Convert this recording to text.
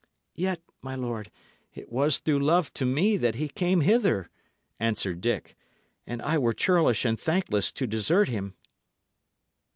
"Yet, my lord, it was through love to me that he came hither," answered Dick, "and I were churlish and thankless to desert him."